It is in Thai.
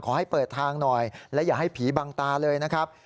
ขอให้เปิดทางหน่อยและอย่าให้ผีบังตาเลยนะครับ